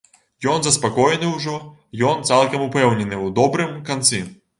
Ён заспакоены ўжо, ён цалкам упэўнены ў добрым канцы.